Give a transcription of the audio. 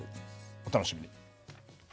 お楽しみに。